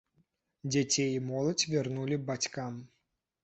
Дзяцей і моладзь вярнулі бацькам.